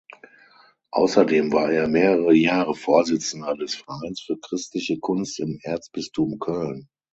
Außerdem war er mehrere Jahre Vorsitzender des "Vereins für christliche Kunst im Erzbistum Köln".